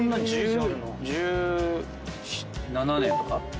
１７年とか。